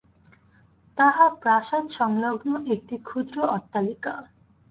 তাহা প্রাসাদসংলগ্ন একটি ক্ষুদ্র অট্টালিকা।